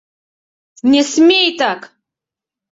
— Не смей так...